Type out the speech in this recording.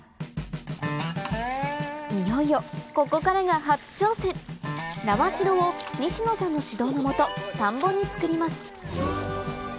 いよいよここからが初挑戦苗代を西野さんの指導の下田んぼに作ります